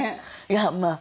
いやまあ